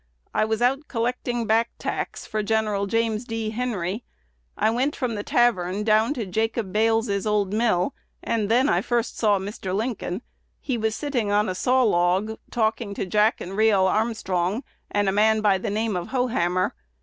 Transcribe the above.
I was out collecting back tax for Gen. James D. Henry. I went from the tavern down to Jacob Bales's old mill, and then I first saw Mr. Lincoln. He was sitting on a saw log talking to Jack and Rial Armstrong and a man by the name of Hohammer.